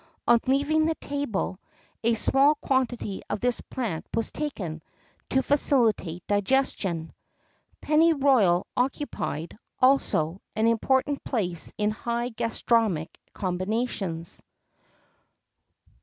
[X 34] On leaving the table, a small quantity of this plant was taken, to facilitate digestion.[X 35] Pennyroyal occupied, also, an important place in high gastronomic combinations.